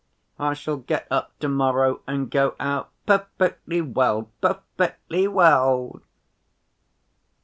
"I shall get up to‐morrow and go out, perfectly well, perfectly well!"